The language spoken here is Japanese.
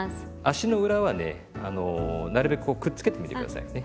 足の裏はねなるべくこうくっつけてみて下さいね。